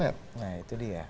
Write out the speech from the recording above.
nah itu dia